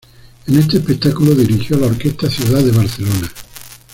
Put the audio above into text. En este espectáculo dirigió a la Orquesta Ciudad de Barcelona.